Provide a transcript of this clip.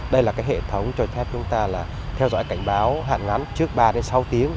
đây là hệ thống cho thép chúng ta là theo dõi cảnh báo hạn ngắn trước ba sáu tiếng